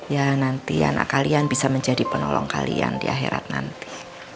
ya nanti anak kalian bisa menjadi penolong kalian di akhirat nanti